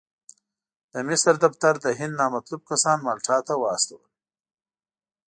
د مصر دفتر د هند نامطلوب کسان مالټا ته واستول.